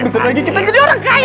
betul lagi kita jadi orang kaya